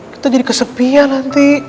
kita jadi kesepian nanti